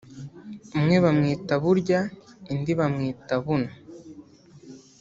umwe bamwita Burya indi bamwita Buno